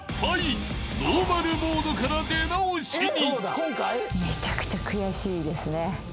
［ノーマルモードから出直しに］